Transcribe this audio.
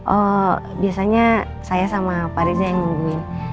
oh biasanya saya sama pak rija yang jemput